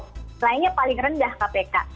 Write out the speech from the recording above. itu lainnya paling rendah kpk